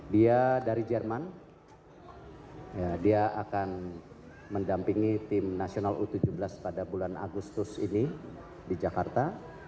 dia dari jerman dia akan mendampingi tim nasional u tujuh belas pada bulan agustus ini di jakarta